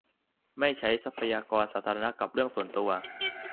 - ไม่ใช้ทรัพยากรสาธารณะกับเรื่องส่วนตัว